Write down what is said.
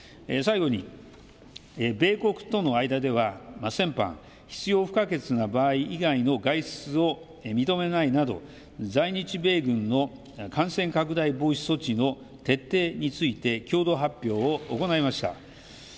最後に米国との間では先般、必要不可欠な場合以外の外出を認めないなど在日米軍の感染拡大防止措置の規定について共同発表を行いました。